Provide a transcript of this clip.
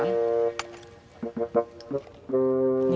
ini gimana urusannya